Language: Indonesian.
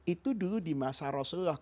itu dulu di masa rasulullah